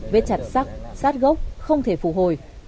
vết chặt sắc sát gốc không thể phù hồi